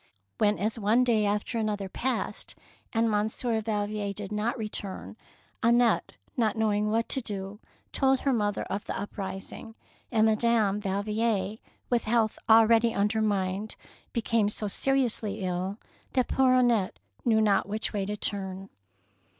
When, as one day after another passed and Monsieur Valvier did not return, Annette, not knowing what to do, told her mother of the uprising, and Madame Valvier, with health already undermined, became so seriously ill that poor Annette knew not which way to turn.